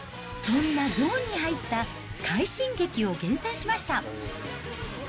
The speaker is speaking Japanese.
そんなゾーンに入った快進撃を厳選しました。